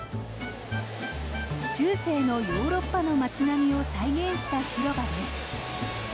中世のヨーロッパの街並みを再現した広場です。